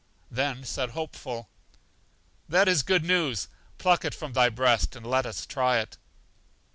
Then said Hopeful: That is good news; pluck it from thy breast, and let us try it.